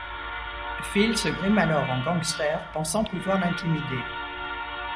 Phil se grime alors en gangster, pensant pouvoir l'intimider.